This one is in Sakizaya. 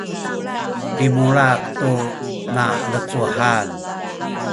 limulak tu nalecuhan